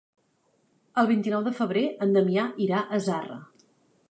El vint-i-nou de febrer en Damià irà a Zarra.